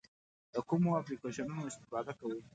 د کومو اپلیکیشنونو استفاده کوئ؟